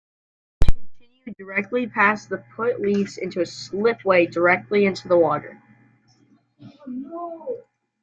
Continuing directly past the put leads to a slipway directly into the water.